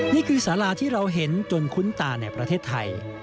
นี่คือสาราที่เราเห็นจนคุ้นตาในประเทศไทย